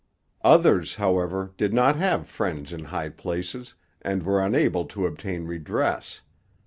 Others, however, did not have friends in high places, and were unable to obtain redress.